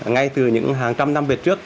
ngay từ những hàng trăm năm về trước